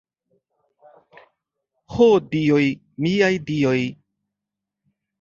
Ho dioj, miaj dioj!